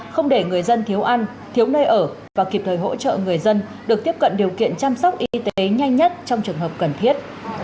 không để người dân thiếu ăn thiếu nơi ở và kịp thời hỗ trợ người dân được tiếp cận điều kiện chăm sóc y tế nhanh nhất trong trường hợp cần thiết